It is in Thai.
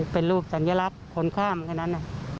เป็นรูปจังหญือดรัฐคนข้ามกันนั้น